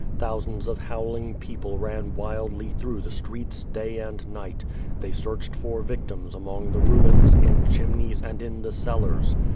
Thousands of howling people ran wildly through the streets, day and night. They searched for victims among the ruins, in chimneys, and in the cellars.